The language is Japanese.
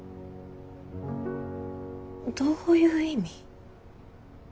どういう意味？